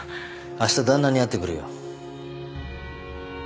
あした旦那に会ってくるよ。